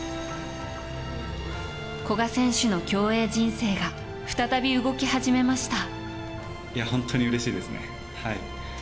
古賀選手の競泳人生が再び動き始めました。